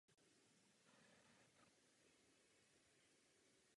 Jako vhodný zdroj ji též navrhují četné americké konzervatoře a univerzity.